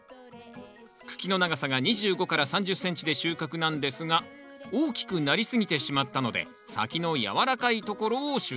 茎の長さが２５３０ｃｍで収穫なんですが大きくなりすぎてしまったので先の軟らかいところを収穫します